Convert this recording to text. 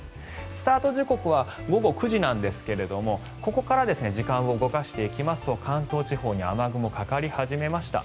スタート時刻は午後９時ですがここから時間を動かしてきますと関東地方に雨雲がかかり始めました。